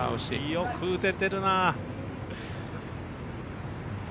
よく打ててるな。